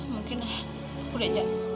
mungkin aku aja